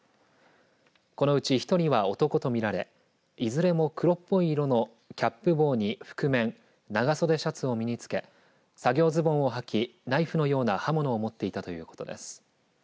このうち１人は男と見られいずれも黒っぽい色のキャップ帽に覆面長袖シャツを身に着け作業ズボンをはきナイフのような刃物を持っていたということです。